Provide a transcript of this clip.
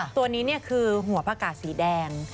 ตัวนี้เนี่ยคือหัวพระกาศสีแดง